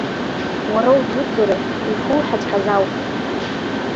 Уара удуӡӡара, ишуҳәаҵәҟьаз ауп!